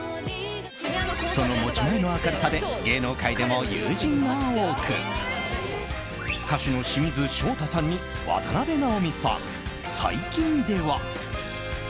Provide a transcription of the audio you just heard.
その持ち前の明るさで芸能界でも友人が多く歌手の清水翔太さんに渡辺直美さん、最近では。